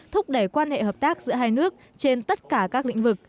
thúc đẩy quan hệ hợp tác giữa hai nước trên tất cả các lĩnh vực